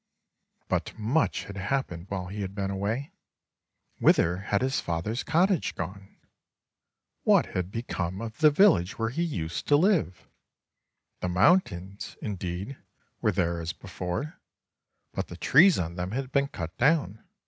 But much had happened while he had been away. Whither had his father's cottage gone? What had be come of the village where he used to live? The moun tains, indeed, were there as before, but the trees on them had been cut down.